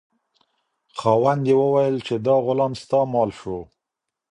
خاوند یې وویل چې دا غلام ستا مال شو.